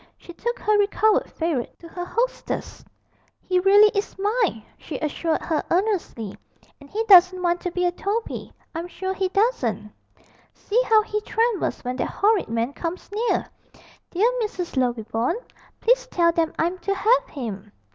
She took her recovered favourite to her hostess. 'He really is mine!' she assured her earnestly; and he doesn't want to be a Toby, I'm sure he doesn't: see how he trembles when that horrid man comes near. Dear Mrs. Lovibond, please tell them I'm to have him!'